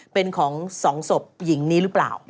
เป็นของ๒ศพหญิงนี้หรือเปล่า